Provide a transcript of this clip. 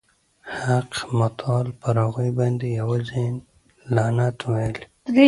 حق متعال پر هغوی باندي یوازي لعنت ویلی.